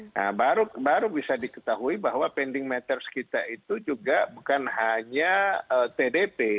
nah baru bisa diketahui bahwa pending matters kita itu juga bukan hanya tdp